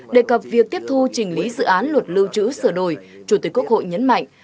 đề cập việc tiếp thu trình lý dự án luật lưu trữ sửa đổi chủ tịch quốc hội nhấn mạnh